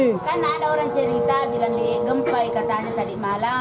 kan ada orang cerita bilang gempa katanya tadi malam